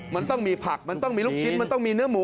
มันต้องมีผักมันต้องมีลูกชิ้นมันต้องมีเนื้อหมู